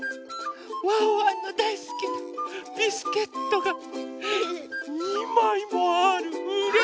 ワンワンのだいすきなビスケットが２まいもある！